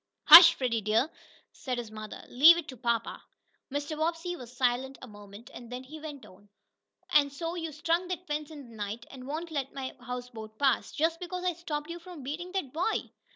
"Hush, Freddie dear," said his mother. "Leave it to papa." Mr. Bobbsey was silent a moment, and then he went on: "And so you strung that fence in the night, and won't let my houseboat pass, just because I stopped you from beating that boy?"